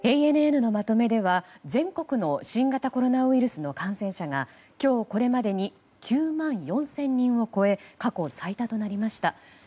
ＡＮＮのまとめでは全国の新型コロナウイルスの感染者が今日、これまでに９万４０００人を超え過去最多となりました。